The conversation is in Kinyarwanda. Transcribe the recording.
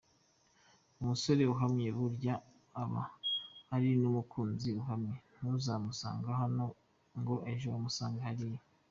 Umusore uhamye burya aba ari n’umukunzi uhamye, ntuzamusanga hano ngo ejo umusange hariya.